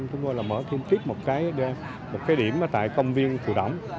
chúng tôi là mở thêm tiếp một cái điểm tại công viên phù động